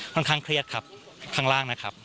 ค่อนข้างเครียดครับข้างล่างนะครับ